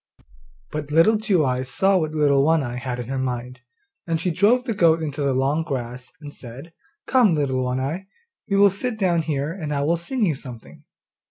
But Little Two eyes saw what Little One eye had in her mind, and she drove the goat into the long grass and said, 'Come, Little One eye, we will sit down here, and I will sing you something.